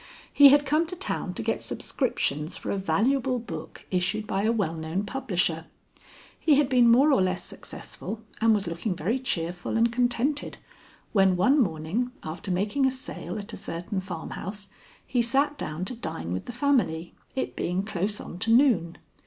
He had come to town to get subscriptions for a valuable book issued by a well known publisher. He had been more or less successful, and was looking very cheerful and contented, when one morning, after making a sale at a certain farmhouse, he sat down to dine with the family, it being close on to noon.